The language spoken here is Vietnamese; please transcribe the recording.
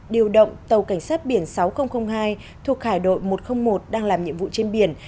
điều động tàu cảnh sát biển sáu nghìn hai thuộc hải đội một trăm linh một đang làm nhiệm vụ trên biển